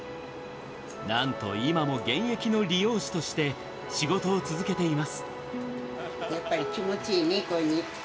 なんと今も現役の理容師として仕事を続けています。